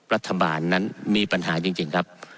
รัฐบาลนั้นมีปัญหาจริงครับ